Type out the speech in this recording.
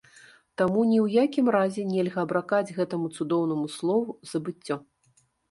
Таму ні ў якім разе нельга абракаць гэтаму цудоўнаму слову забыццё.